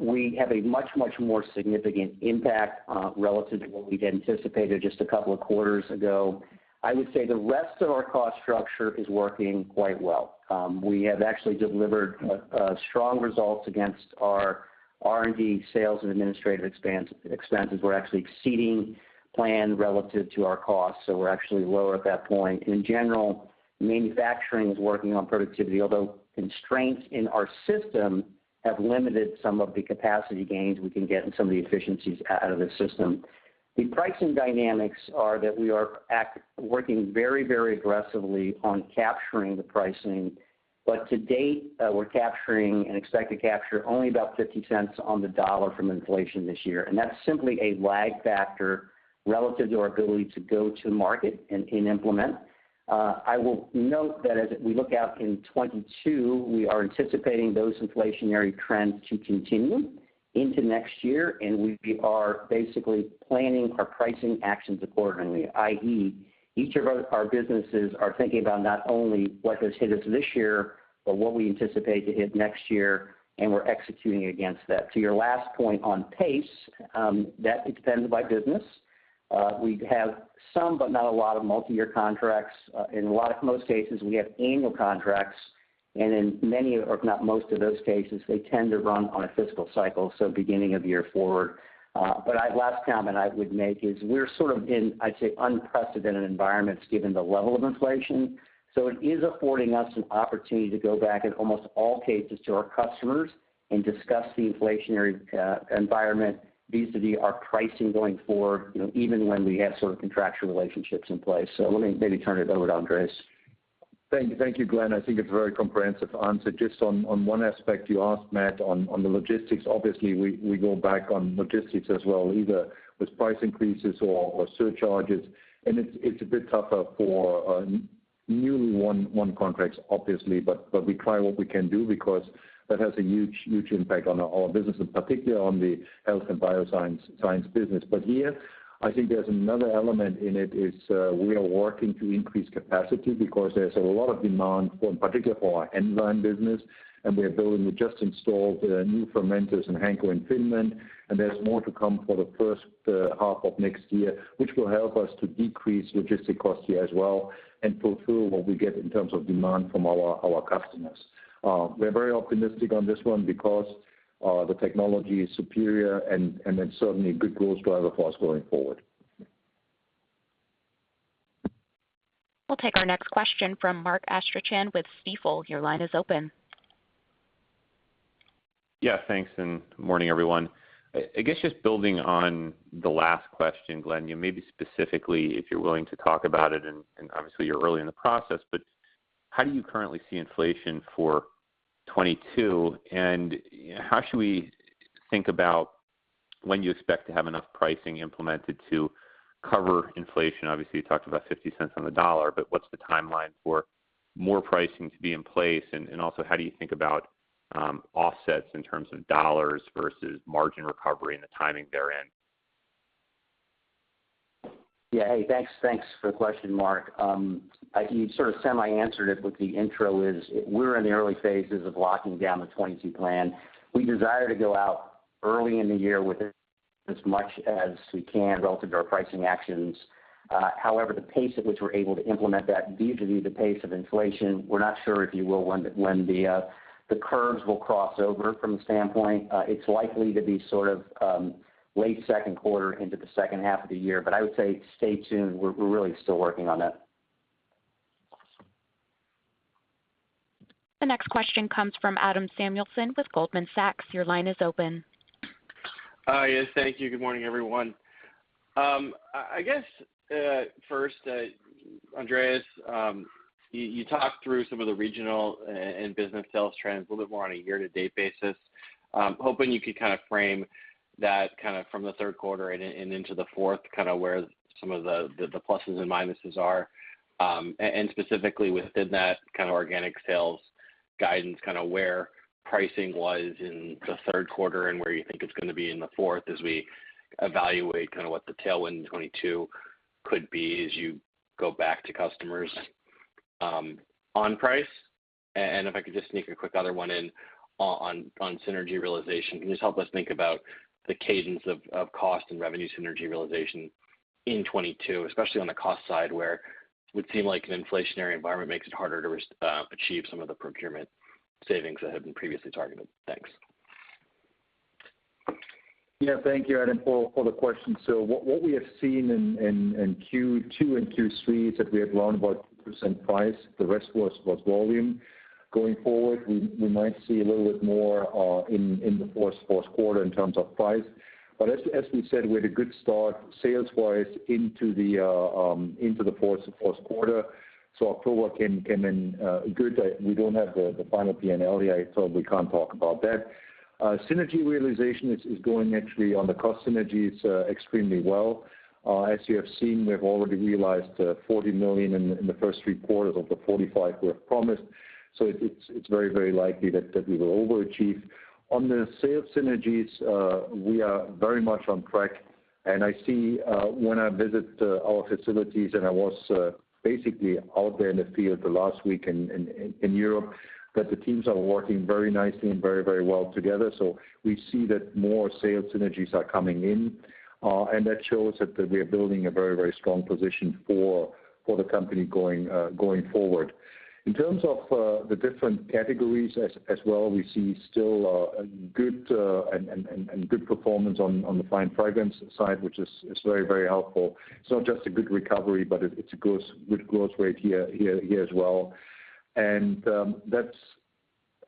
We have a much more significant impact relative to what we'd anticipated just a couple of quarters ago. I would say the rest of our cost structure is working quite well. We have actually delivered strong results against our R&D, sales and administrative expenses. We're actually exceeding plan relative to our costs, so we're actually lower at that point. In general, manufacturing is working on productivity, although constraints in our system have limited some of the capacity gains we can get and some of the efficiencies out of the system. The pricing dynamics are that we are working very, very aggressively on capturing the pricing. To date, we're capturing and expect to capture only about $0.50 on the dollar from inflation this year, and that's simply a lag factor relative to our ability to go to market and implement. I will note that as we look out in 2022, we are anticipating those inflationary trends to continue into next year, and we are basically planning our pricing actions accordingly, i.e., each of our businesses are thinking about not only what has hit us this year, but what we anticipate to hit next year, and we're executing against that. To your last point on pace, that depends by business. We have some, but not a lot of multi-year contracts. In a lot of most cases, we have annual contracts, and in many, or if not most of those cases, they tend to run on a fiscal cycle, so beginning of year forward. Last comment I would make is we're sort of in, I'd say, unprecedented environments given the level of inflation. It is affording us an opportunity to go back in almost all cases to our customers and discuss the inflationary environment vis-à-vis our pricing going forward, you know, even when we have sort of contractual relationships in place. Let me maybe turn it over to Andreas. Thank you, Glenn. I think it's a very comprehensive answer. Just on one aspect you asked, Matthew, on the logistics. Obviously, we go back on logistics as well, either with price increases or surcharges. It's a bit tougher for newly won contracts, obviously. We try what we can do because that has a huge impact on our business, in particular on the Health & Biosciences business. Here, I think there's another element in it, we are working to increase capacity because there's a lot of demand for, in particular for our enzyme business. We just installed new fermenters in Hanko in Finland, and there's more to come for the first half of next year, which will help us to decrease logistics costs here as well and fulfill what we get in terms of demand from our customers. We're very optimistic on this one because the technology is superior and it's certainly a good growth driver for us going forward. We'll take our next question from Mark Astrachan with Stifel. Your line is open. Yeah, thanks, good morning, everyone. I guess just building on the last question, Glenn, you know, maybe specifically if you're willing to talk about it, and obviously you're early in the process, but how do you currently see inflation for 2022? And how should we think about when you expect to have enough pricing implemented to cover inflation? Obviously, you talked about $0.50 on the dollar, but what's the timeline for more pricing to be in place? And also how do you think about offsets in terms of dollars versus margin recovery and the timing therein? Yeah. Hey, thanks. Thanks for the question, Mark. I sort of semi-answered it with the intro. We're in the early phases of locking down the 2022 plan. We desire to go out early in the year with as much as we can relative to our pricing actions. However, the pace at which we're able to implement that vis-à-vis the pace of inflation, we're not sure when the curves will cross over from the standpoint. It's likely to be sort of late second quarter into the second half of the year. I would say stay tuned. We're really still working on that. The next question comes from Adam Samuelson with Goldman Sachs. Your line is open. Hi. Yes, thank you. Good morning, everyone. I guess first, Andreas, you talked through some of the regional and business sales trends a little bit more on a year-to-date basis. Hoping you could kind of frame that kind of from the third quarter and into the fourth, kind of where some of the pluses and minuses are. Specifically within that kind of organic sales guidance, kind of where pricing was in the third quarter and where you think it's gonna be in the fourth as we evaluate kind of what the tailwind in 2022 could be as you go back to customers on price. If I could just sneak a quick other one in on synergy realization. Can you just help us think about the cadence of cost and revenue synergy realization in 2022, especially on the cost side, where it would seem like an inflationary environment makes it harder to achieve some of the procurement savings that had been previously targeted? Thanks. Yeah. Thank you, Adam, for the question. What we have seen in Q2 and Q3 is that we have grown about 2% price. The rest was volume. Going forward, we might see a little bit more in the fourth quarter in terms of price. But as we said, we had a good start sales-wise into the fourth quarter. October came in good. We don't have the final P&L yet, so we can't talk about that. Synergy realization is going actually on the cost synergies extremely well. As you have seen, we have already realized $40 million in the first three quarters of the 45 we have promised. It's very likely that we will overachieve. On the sales synergies, we are very much on track. I see, when I visit our facilities, and I was basically out there in the field the last week in Europe, that the teams are working very nicely and very well together. We see that more sales synergies are coming in, and that shows that we are building a very strong position for the company going forward. In terms of the different categories as well, we see still a good and good performance on the Fine Fragrances side, which is very helpful. It's not just a good recovery, but it's a good growth rate here as well. That's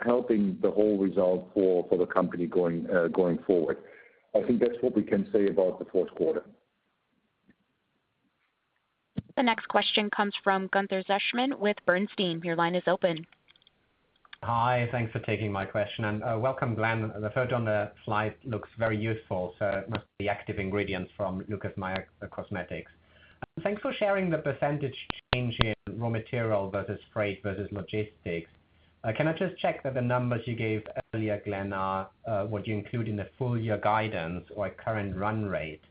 helping the whole result for the company going forward. I think that's what we can say about the fourth quarter. The next question comes from Gunther Zechmann with Bernstein. Your line is open. Hi. Thanks for taking my question. Welcome, Glenn. The photo on the slide looks very useful, so must be active ingredients from Lucas Meyer Cosmetics. Thanks for sharing the percentage change in raw material versus freight versus logistics. Can I just check that the numbers you gave earlier, Glenn, are what you include in the full year guidance or current run rate?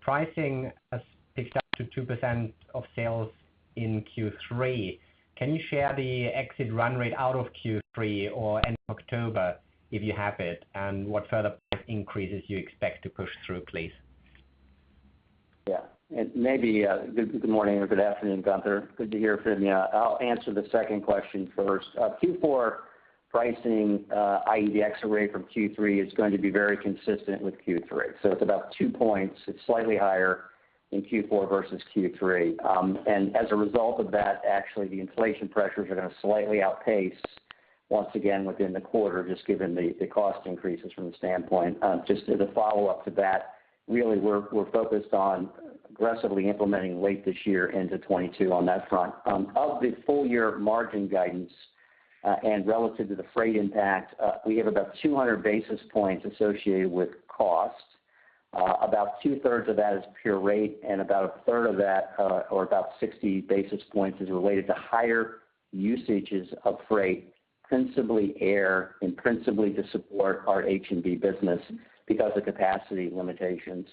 Pricing has picked up to 2% of sales in Q3. Can you share the exit run rate out of Q3 or end of October if you have it, and what further price increases you expect to push through, please? Good morning or good afternoon, Gunther. Good to hear from you. I'll answer the second question first. Q4 pricing, iEDX array from Q3 is going to be very consistent with Q3. So it's about two points. It's slightly higher in Q4 versus Q3. As a result of that, actually the inflation pressures are gonna slightly outpace once again within the quarter, just given the cost increases from the standpoint. Just as a follow-up to that, really, we're focused on aggressively implementing late this year into 2022 on that front. Of the full year margin guidance, relative to the freight impact, we have about 200 basis points associated with cost. About 2/3 of that is pure rate, and about a third of that, or about 60 basis points is related to higher usages of freight, principally air and principally to support our H&B business because of capacity limitations.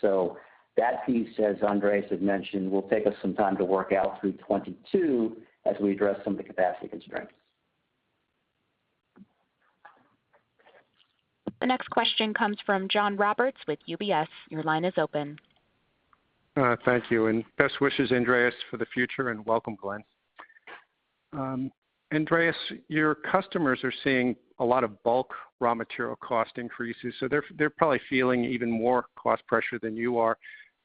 That piece, as Andreas had mentioned, will take us some time to work out through 2022 as we address some of the capacity constraints. The next question comes from John Roberts with UBS. Your line is open. Thank you, and best wishes, Andreas, for the future, and welcome, Glenn. Andreas, your customers are seeing a lot of bulk raw material cost increases, so they're probably feeling even more cost pressure than you are.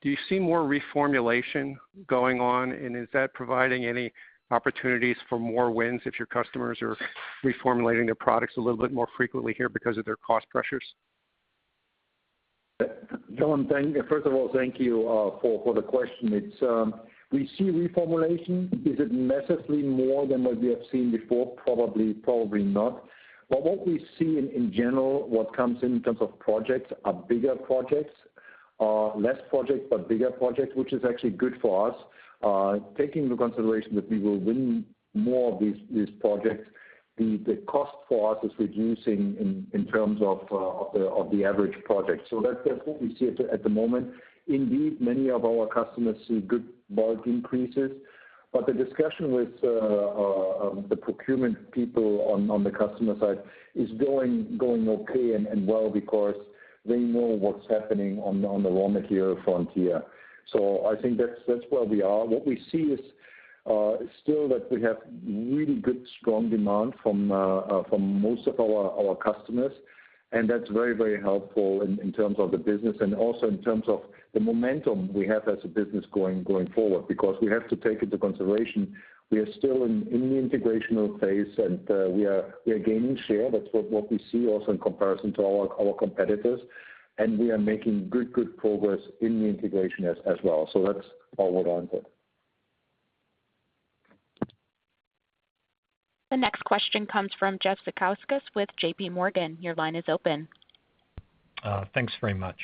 Do you see more reformulation going on, and is that providing any opportunities for more wins if your customers are reformulating their products a little bit more frequently here because of their cost pressures? John, thank you. First of all, thank you for the question. We see reformulation. Is it necessarily more than what we have seen before? Probably not. What we see in general, what comes in terms of projects are bigger projects, less projects, but bigger projects, which is actually good for us, taking into consideration that we will win more of these projects. The cost for us is reducing in terms of the average project. That's what we see at the moment. Indeed, many of our customers see good bulk increases, but the discussion with the procurement people on the customer side is going okay and well because they know what's happening on the raw material frontier. I think that's where we are. What we see is still that we have really good, strong demand from most of our customers, and that's very helpful in terms of the business and also in terms of the momentum we have as a business going forward. We have to take into consideration we are still in the integrational phase, and we are gaining share. That's what we see also in comparison to our competitors. We are making good progress in the integration as well. That's our word on it. The next question comes from Jeffrey Zekauskas with J.P. Morgan. Your line is open. Thanks very much.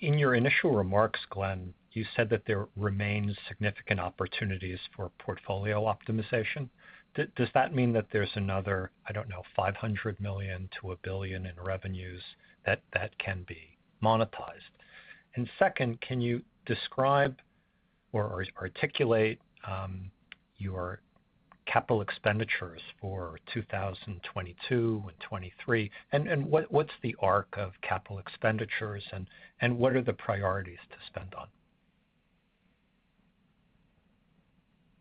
In your initial remarks, Glenn, you said that there remains significant opportunities for portfolio optimization. Does that mean that there's another, I don't know, $500 million-$1 billion in revenues that can be monetized? And second, can you describe or articulate your capital expenditures for 2022 and 2023? And what’s the arc of capital expenditures and what are the priorities to spend on?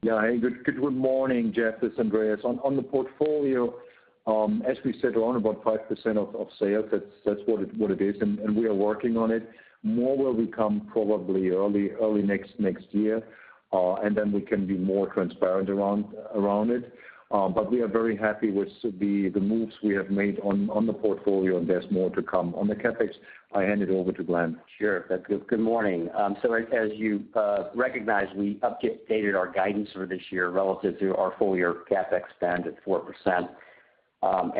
Yeah. Hey, good morning, Jeffrey. This is Andreas. On the portfolio, as we said, around about 5% of sales, that's what it is, and we are working on it. More will become probably early next year, and then we can be more transparent around it. But we are very happy with the moves we have made on the portfolio, and there's more to come. On the CapEx, I hand it over to Glenn. Sure. That's good. Good morning. As you recognize, we updated our guidance for this year relative to our full year CapEx spend at 4%.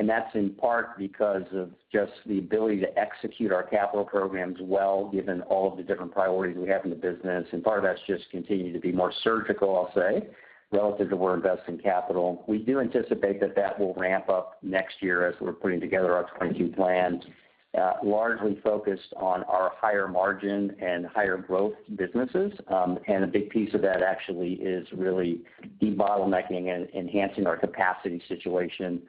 That's in part because of just the ability to execute our capital programs well given all of the different priorities we have in the business. Part of that's just continue to be more surgical, I'll say, relative to where we're investing capital. We do anticipate that will ramp up next year as we're putting together our 2022 plan, largely focused on our higher margin and higher growth businesses. A big piece of that actually is really debottlenecking and enhancing our capacity situation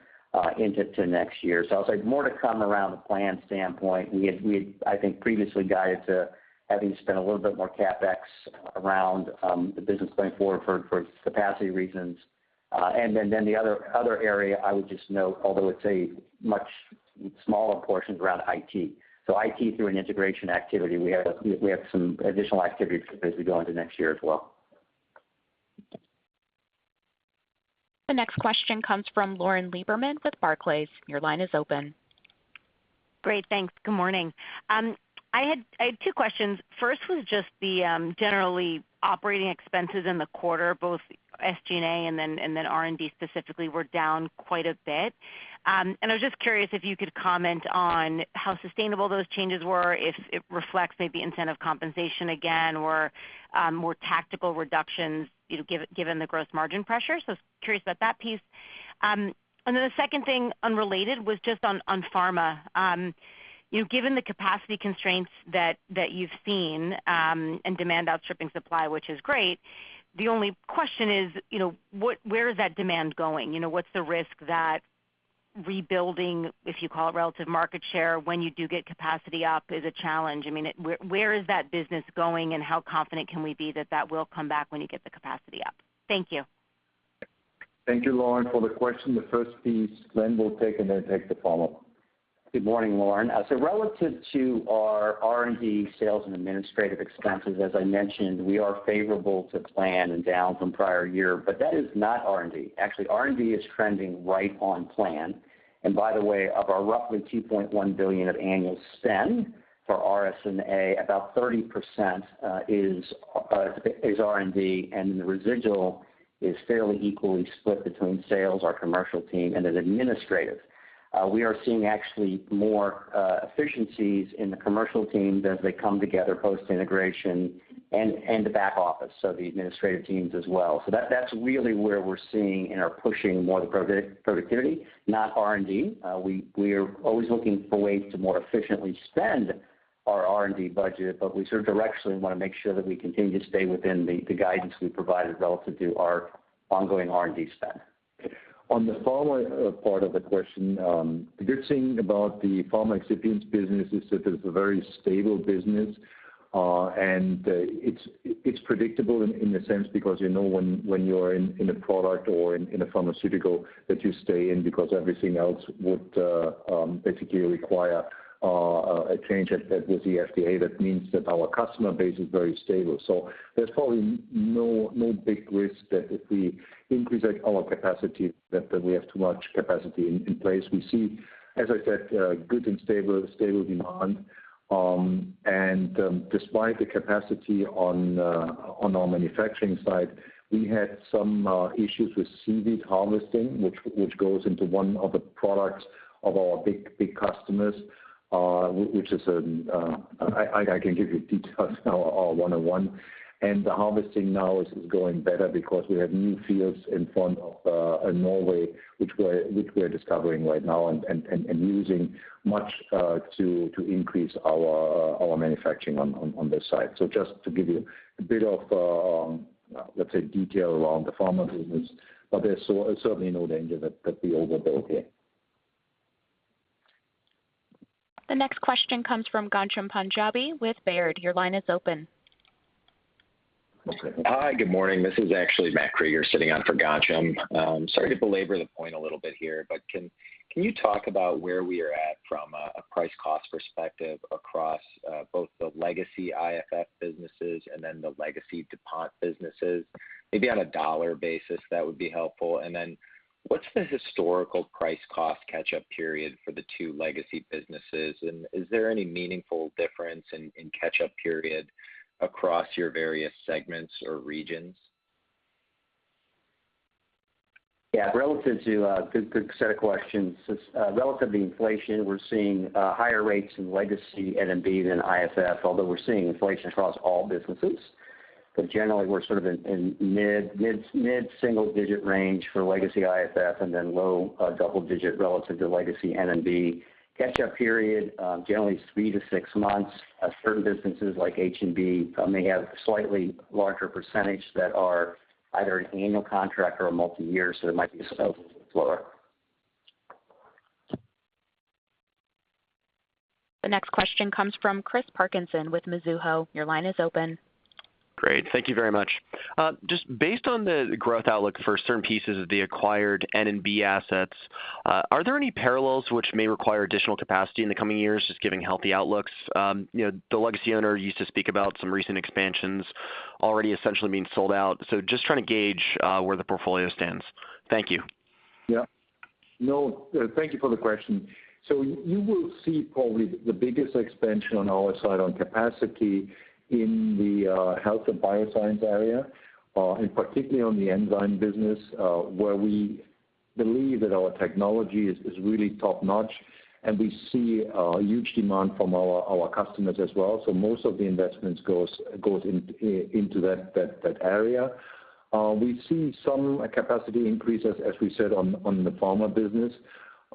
into next year. I'll say more to come around the plan standpoint. We had, I think, previously guided to having spent a little bit more CapEx around the business going forward for capacity reasons. The other area I would just note, although it's a much smaller portion, is around IT through an integration activity. We have some additional activities as we go into next year as well. The next question comes from Lauren Lieberman with Barclays. Your line is open. Great. Thanks. Good morning. I had two questions. First was just the generally operating expenses in the quarter, both SG&A and R&D specifically were down quite a bit. I was just curious if you could comment on how sustainable those changes were, if it reflects maybe incentive compensation again or more tactical reductions, you know, given the gross margin pressure. Curious about that piece. The second thing, unrelated, was just on pharma. You know, given the capacity constraints that you've seen and demand outstripping supply, which is great, the only question is, you know, where is that demand going? You know, what's the risk that rebuilding, if you call it relative market share, when you do get capacity up is a challenge. I mean, it, where is that business going and how confident can we be that that will come back when you get the capacity up? Thank you. Thank you, Lauren, for the question. The first piece, Glenn will take, and then take the follow-up. Good morning, Lauren. Relative to our R&D sales and administrative expenses, as I mentioned, we are favorable to plan and down from prior year, but that is not R&D. Actually, R&D is trending right on plan. By the way, of our roughly $2.1 billion of annual spend for R&D, S&A, about 30%, is R&D, and the residual is fairly equally split between sales, our commercial team, and then administrative. We are seeing actually more efficiencies in the commercial teams as they come together post-integration and the back office, so the administrative teams as well. That's really where we're seeing and are pushing more the productivity, not R&D. We are always looking for ways to more efficiently spend our R&D budget, but we sort of directionally wanna make sure that we continue to stay within the guidance we provided relative to our ongoing R&D spend. On the follow-up part of the question, the good thing about the pharma excipients business is that it's a very stable business, and it's predictable in a sense because you know when you're in a product or in a pharmaceutical that you stay in because everything else would basically require a change with the FDA. That means that our customer base is very stable. There's probably no big risk that if we increase, like, our capacity that we have too much capacity in place. We see, as I said, good and stable demand. Despite the capacity on our manufacturing side, we had some issues with seaweed harvesting, which goes into one of the products of our big customers, which is, I can give you details now in one-on-one. The harvesting now is going better because we have new fields in front of Norway, which we're discovering right now and using much to increase our manufacturing on this side. Just to give you a bit of, let's say, detail around the pharma business. There's certainly no danger that we overbuilt it. The next question comes from Ghansham Panjabi with Baird. Your line is open. Hi, good morning. This is actually Matthew Krueger sitting in for Ghansham. Sorry to belabor the point a little bit here, but can you talk about where we are at from a price cost perspective across both the legacy IFF businesses and then the legacy DuPont businesses? Maybe on a dollar basis, that would be helpful. And then what's the historical price cost catch-up period for the two legacy businesses? And is there any meaningful difference in catch-up period across your various segments or regions? Relative to inflation, we're seeing higher rates in legacy N&B than IFF, although we're seeing inflation across all businesses. Generally, we're sort of in mid single-digit range for legacy IFF and then low double digit relative to legacy N&B. Catch-up period generally three to six months. Certain businesses like H&B may have slightly larger percentage that are either an annual contract or a multi-year, so it might be slower. The next question comes from Christopher Parkinson with Mizuho. Your line is open. Great. Thank you very much. Just based on the growth outlook for certain pieces of the acquired N&B assets, are there any parallels which may require additional capacity in the coming years, just giving healthy outlooks? You know, the legacy owner used to speak about some recent expansions already essentially being sold out. Just trying to gauge where the portfolio stands. Thank you. Yeah. No, thank you for the question. You will see probably the biggest expansion on our side on capacity in the health and bioscience area, and particularly on the enzyme business, where we believe that our technology is really top-notch, and we see a huge demand from our customers as well. Most of the investments goes in into that area. We see some capacity increases, as we said, on the pharma business,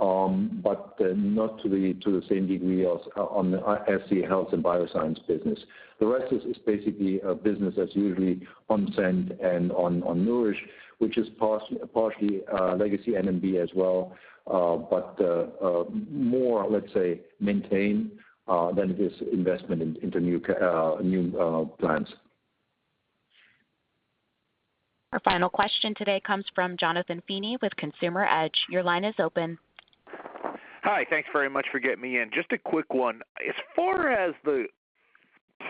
but not to the same degree as on the IFF Health and Biosciences business. The rest is basically a business that's usually on Scent and on Nourish, which is partially legacy N&B as well, but more, let's say, maintained than this investment into new plants. Our final question today comes from Jonathan Feeney with Consumer Edge. Your line is open. Hi. Thanks very much for getting me in. Just a quick one. As far as the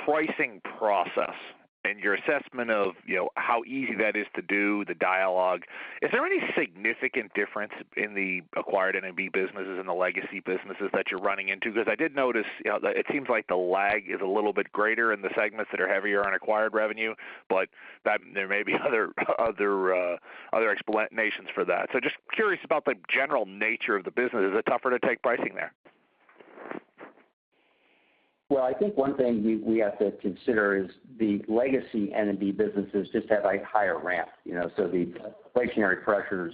pricing process and your assessment of, you know, how easy that is to do the dialogue, is there any significant difference in the acquired N&B businesses and the legacy businesses that you're running into? Because I did notice, you know, that it seems like the lag is a little bit greater in the segments that are heavier on acquired revenue, but that there may be other explanations for that. So just curious about the general nature of the business. Is it tougher to take pricing there? Well, I think one thing we have to consider is the legacy N&B businesses just have a higher ramp, you know. The inflationary pressures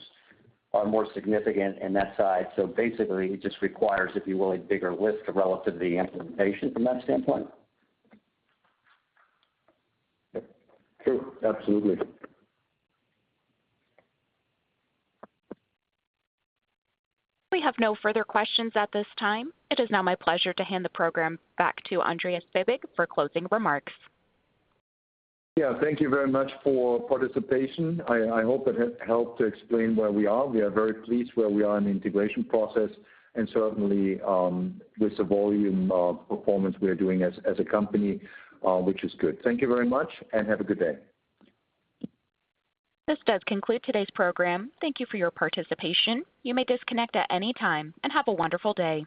are more significant in that side. Basically, it just requires, if you will, a bigger lift relative to the implementation from that standpoint. True. Absolutely. We have no further questions at this time. It is now my pleasure to hand the program back to Andreas Fibig for closing remarks. Yeah. Thank you very much for participation. I hope it helped to explain where we are. We are very pleased where we are in the integration process and certainly with the volume of performance we are doing as a company, which is good. Thank you very much and have a good day. This does conclude today's program. Thank you for your participation. You may disconnect at any time, and have a wonderful day.